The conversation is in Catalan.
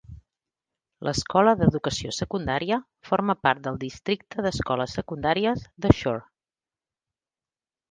L'escola d'educació secundària forma part del Districte d'Escoles Secundàries de Shore.